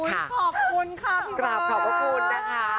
ขอบคุณค่ะพี่เบิร์ด